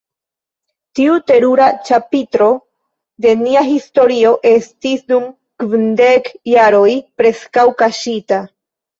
Tiu terura ĉapitro de nia historio estis dum kvindek jaroj preskaŭ kaŝita.